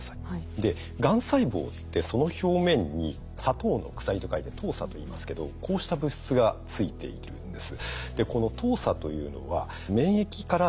でがん細胞ってその表面に「砂糖の鎖」と書いて「糖鎖」といいますけどこうした物質がついているんです。